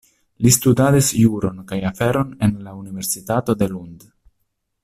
Li studadis juron kaj aferon en la universitato de Lund.